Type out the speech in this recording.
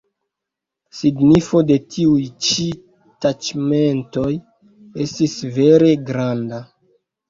Signifo de tiuj ĉi taĉmentoj estis vere granda.